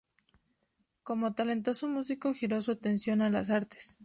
Como talentoso músico giró su atención a las artes.